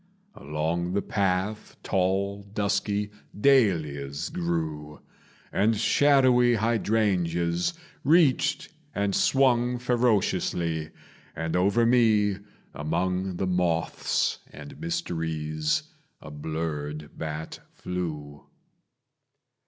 Along the path tall dusky dahlias grew, And shadowy hydrangeas reached and swung Ferociously; and over me, among The moths and mysteries, a blurred bat flew.